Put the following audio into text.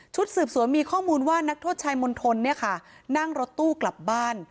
สืบสวนมีข้อมูลว่านักโทษชายมณฑลเนี่ยค่ะนั่งรถตู้กลับบ้าน